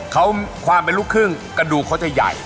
เขาความเป็นลูกครึ่งกระดูกเขาจะใหญ่